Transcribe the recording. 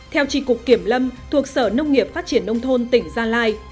theo tri cục kiểm lâm thuộc sở nông nghiệp phát triển nông thôn tỉnh gia lai